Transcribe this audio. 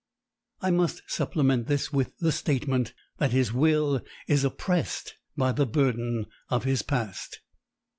I must supplement this with the statement that his will is oppressed by the burden of his past.